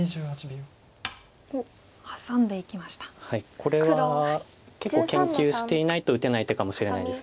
これは結構研究していないと打てない手かもしれないです。